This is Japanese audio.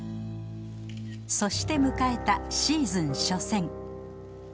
そして迎えたシーズン初戦